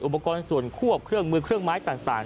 อุปกรณ์ส่วนควบเครื่องมือเครื่องไม้ต่าง